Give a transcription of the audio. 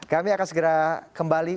kami akan segera kembali